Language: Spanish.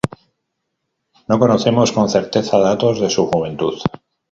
No conocemos con certeza datos de su juventud.